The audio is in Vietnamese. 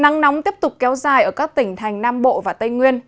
nắng nóng tiếp tục kéo dài ở các tỉnh thành nam bộ và tây nguyên